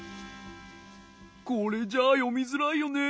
これじゃよみづらいよね。